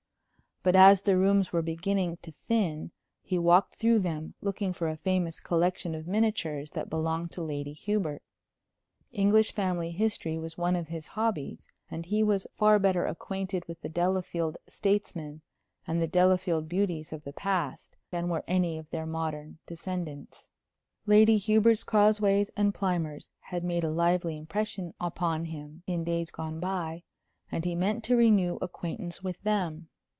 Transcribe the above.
But as the rooms were beginning to thin he walked through them, looking for a famous collection of miniatures that belonged to Lady Hubert. English family history was one of his hobbies, and he was far better acquainted with the Delafield statesmen, and the Delafield beauties of the past, than were any of their modern descendants. Lady Hubert's Cosways and Plimers had made a lively impression upon him in days gone by, and he meant to renew acquaintance with them.